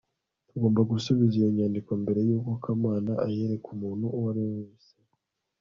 tugomba gusubiza iyo nyandiko mbere yuko kamana ayereka umuntu uwo ari we wese